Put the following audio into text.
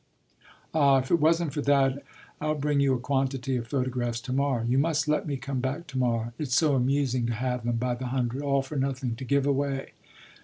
Ah if it wasn't for that! I'll bring you a quantity of photographs to morrow you must let me come back to morrow: it's so amusing to have them, by the hundred, all for nothing, to give away.